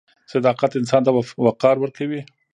• صداقت انسان ته وقار ورکوي.